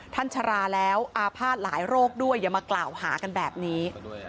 ชราแล้วอาภาษณ์หลายโรคด้วยอย่ามากล่าวหากันแบบนี้